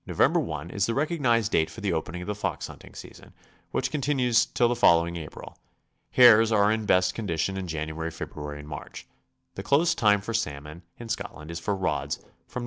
i is the rec ognized date for the opening of the fox hunting season, which continues till the following April. Hares are in best condition in January, February, and March. The close time for salmon in Scotland is for rods from Nov.